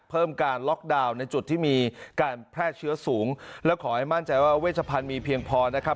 เพิ่มการล็อกดาวน์ในจุดที่มีการแพร่เชื้อสูงและขอให้มั่นใจว่าเวชพันธุ์มีเพียงพอนะครับ